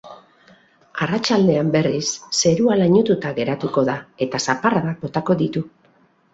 Arratsaldean, berriz, zerua lainotuta geratuko da eta zaparradak botako ditu.